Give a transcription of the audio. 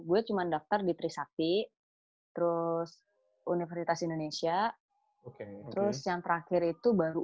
gue cuma daftar di trisapi terus universitas indonesia terus yang terakhir itu baru ugm